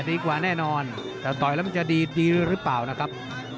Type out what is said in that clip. ดีกว่าแน่นอนแต่ต่อยแล้วมันจะดีหรือเปล่านะครับ